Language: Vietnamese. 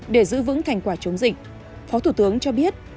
để giữ vững thành quả chống dịch phó thủ tướng cho biết